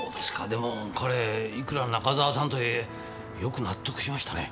でもこれいくら中澤さんとはいえよく納得しましたね。